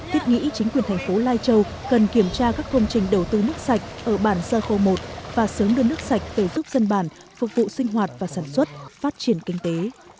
tiết nghĩ chính quyền thành phố lai châu cần kiểm tra các công trình đầu tư nước sạch ở bản gia khâu một và sớm đưa nước sạch về giúp dân bản phục vụ sinh hoạt và sản xuất phát triển kinh tế